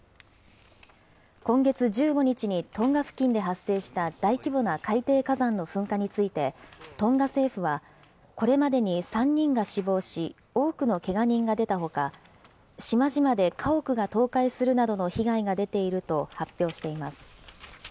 今月１５日にトンガ付近で発生した大規模な海底火山の噴火について、トンガ政府は、これまでに３人が死亡し、多くのけが人が出たほか、島々で家屋が倒壊するなどの被害が出ていると発表しています。